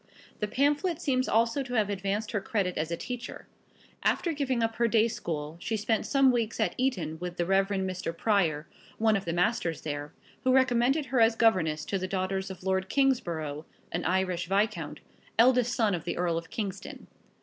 The pamphlet seems also to have advanced her credit as a teacher. After giving up her day school, she spent some weeks at Eton with the Rev. Mr. Prior, one of the masters there, who recommended her as governess to the daughters of Lord Kingsborough, an Irish viscount, eldest son of the Earl of Kingston.